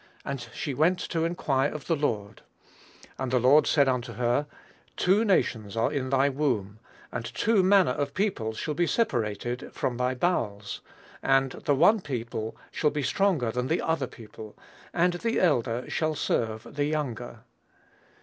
And she went to inquire of the Lord. And the Lord said unto her, Two nations are in thy womb, and two manner of people shall be separated from thy bowels; and the one people shall be stronger than the other people; and the elder shall serve the younger."